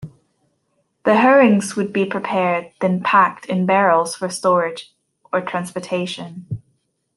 The herrings would be prepared, then packed in barrels for storage or transportation.